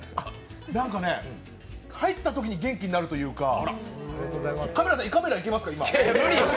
なんかね、入ったときに元気になるというかカメラさん、胃カメラいけますか、今。